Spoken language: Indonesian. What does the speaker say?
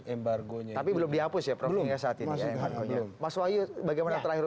terus embargo tapi belum dihapus ya problemnya saat ini masih harga mas wahyu bagaimana terakhir